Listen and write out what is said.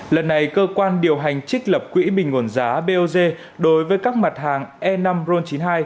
lần này cơ quan điều hành trích lập quỹ bình nguồn giá bot đối với các mặt hàng e năm ron chín mươi hai